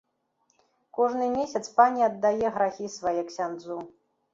Кожны месяц пані аддае грахі свае ксяндзу.